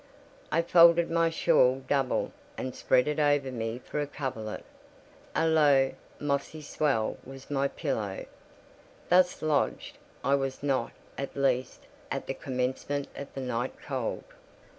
I folded my shawl double, and spread it over me for a coverlet; a low, mossy swell was my pillow. Thus lodged, I was not, at least at the commencement of the night, cold.